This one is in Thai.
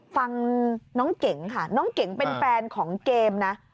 ฟังน้องเก๋งค่ะน้องเก๋งเป็นแฟนของเกมนะ